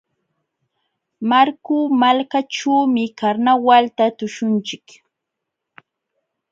Marku malkaćhuumi karnawalta tuśhunchik.